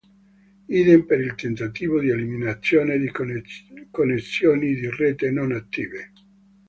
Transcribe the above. Idem per il tentativo di eliminazione di connessioni di rete non attive.